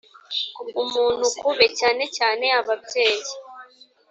umuntu ku be (cyane cyane ababyeyi)